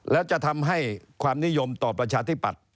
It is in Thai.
แล้วจะทำให้ความนิยมต่อประชาธิปัตย